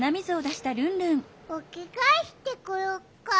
おきがえしてこよっか。